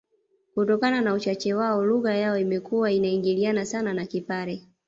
Kutokana na uchache wao lugha yao imekuwa inaingiliana sana na Kipare